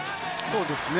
そうですね。